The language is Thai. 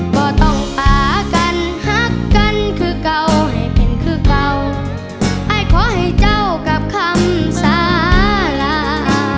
ก็ต้องปากันฮักกันคือเก่าให้เป็นคือเก่าไอ้ขอให้เจ้ากับคำสารา